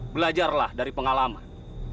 belajarlah dari pengalaman